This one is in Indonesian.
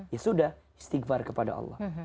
ya sudah istighfar kepada allah